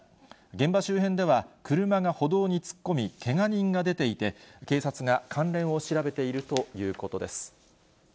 現場周辺では、車が歩道に突っ込警察が関連を調べているということです。